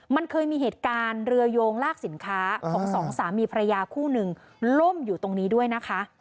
มันเคยมีเหตุการณ์เรือโยงลากสินค้าของสองสามีภรรยาคู่หนึ่งล่มอยู่ตรงนี้ด้วยนะคะ